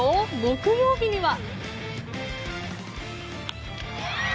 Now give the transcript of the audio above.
木曜日には。